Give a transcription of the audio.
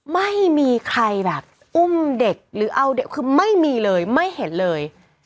ไม่มีใครแบบอุ้มเด็กหรือเอาเด็กคือไม่มีเลยไม่เห็นเลย